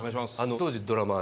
当時ドラマーで。